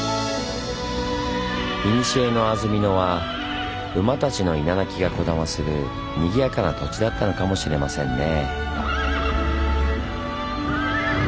いにしえの安曇野は馬たちのいななきがこだまするにぎやかな土地だったのかもしれませんね。